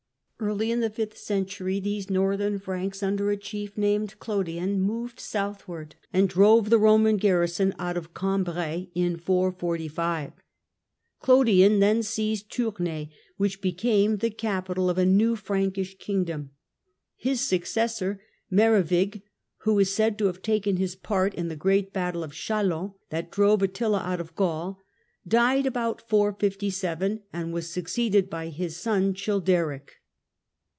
Early in the fifth century these Northern Franks, under a chief named Clodion, moved southward, and drove the Eoman garrison out of Cambrai in 445. Clodion then seized Tournai, which became the capital of a new Frankish kingdom. His successor, Merowig, who is said to have taken his part in the great battle of Chalons that drove Attila out of Gaul, died about 457, and was succeeded by his son Childeric.